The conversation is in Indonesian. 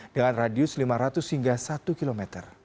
dengan radius lima ratus hingga satu km